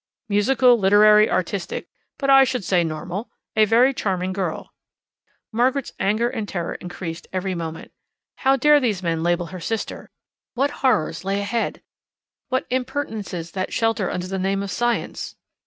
Musical, literary, artistic, but I should say normal a very charming girl." Margaret's anger and terror increased every moment. How dare these men label her sister! What horrors lay ahead! What impertinences that shelter under the name of science!